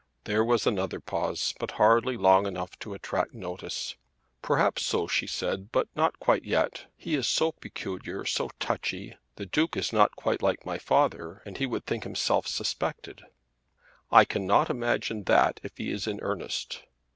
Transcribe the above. There was another pause, but hardly long enough to attract notice. "Perhaps so," she said; "but not quite yet. He is so peculiar, so touchy. The Duke is not quite like my father and he would think himself suspected." "I cannot imagine that if he is in earnest."